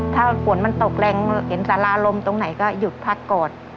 ถ้าฝนมันตกแรงเห็นสาราลมตรงไหนก็หยุดพักก่อน